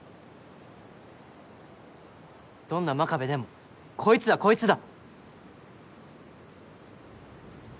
どんな真壁でもこいつはこいつだ。